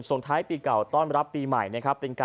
ส่งท้ายปีเก่าต้อนรับปีใหม่